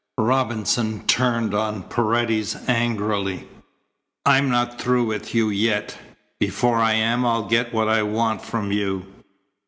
Robinson turned on Paredes angrily. "I'm not through with you yet. Before I am I'll get what I want from you."